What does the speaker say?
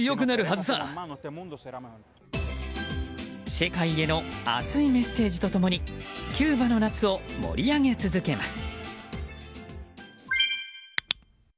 世界への熱いメッセージと共にキューバの夏を盛り上げ続けます。